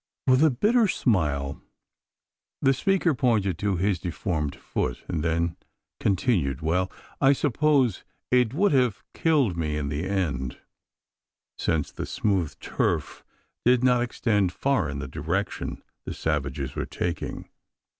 With a bitter smile the speaker pointed to his deformed foot, and then continued: "Well I suppose it would have killed me in the end: since the smooth turf did not extend far in the direction the savages were taking.